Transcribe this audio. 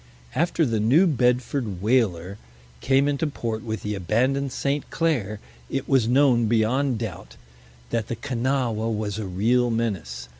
After the New Bedford whaler came into port with the abandoned St. Clare, it was known beyond doubt that the Kanawha was still a real menace.